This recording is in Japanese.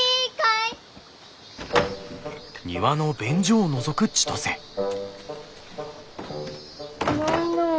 いないなあ。